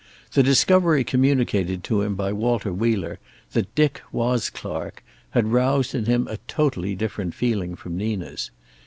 The discovery, communicated to him by Walter Wheeler, that Dick was Clark had roused in him a totally different feeling from Nina's.